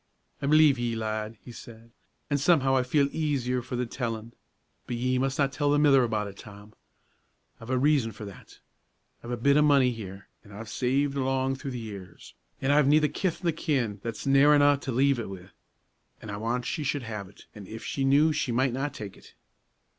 "I believe ye, lad," he said, "an' somehow I feel easier for the tellin'. But ye mus' na tell the mither aboot it, Tom; I've a reason for that. I've a bit o' money here, that I've saved along through the years, an' I've neither kith nor kin that's near enow to leave it wi' an' I want she should have it; an' if she knew she might not tak' it."